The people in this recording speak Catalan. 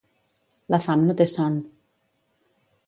La fam no té son.